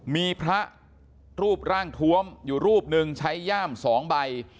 มีพระรูปร่างทวมอยู่รูปหนึ่งใช้ย่าม๒ใบ